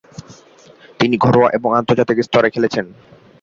তিনি ঘরোয়া এবং আন্তর্জাতিক স্তরে খেলছেন।